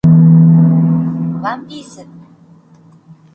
ワンピース